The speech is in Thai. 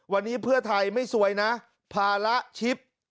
วันนี้เพื่อไทยไม่ซวยนะภาระชิป